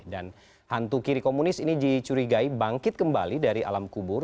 dan hantu kiri komunis ini dicurigai bangkit kembali dari alam kubur